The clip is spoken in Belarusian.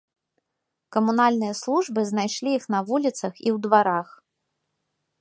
Камунальныя службы знайшлі іх на вуліцах і ў дварах.